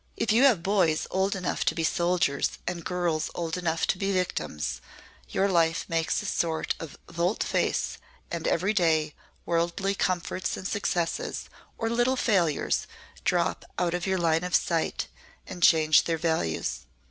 If you have boys old enough to be soldiers and girls old enough to be victims your life makes a sort of volte face and everyday, worldly comforts and successes or little failures drop out of your line of sight, and change their values.